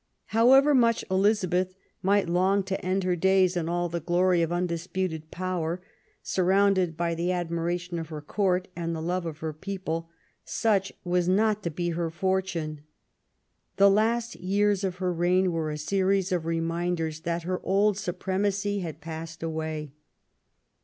However much Elizabeth might long to end her days in all the glory of undisputed power, surrounded by the admiration of her Court and the love of her people, such was not to be her fortune. The last years of her reign were a series of reminders that her old supremacy had passed away.